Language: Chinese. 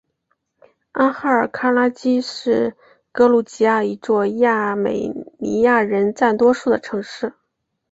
阿哈尔卡拉基是格鲁吉亚一座亚美尼亚人占多数的城市。